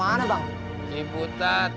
mirip dari bang tat